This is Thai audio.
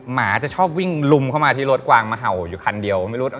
หมาจะชอบวิ่งลุมเข้ามาที่รถกวางมาเห่าอยู่คันเดียวไม่รู้